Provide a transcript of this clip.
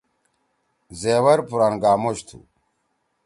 زیور پُران گاموش تُھو۔